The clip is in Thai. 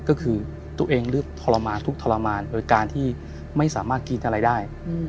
ก็คือตัวเองเลือกทรมานทุกข์ทรมานโดยการที่ไม่สามารถกินอะไรได้